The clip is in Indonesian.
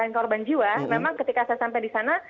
yang korban jiwa memang ketika saya sampai di sana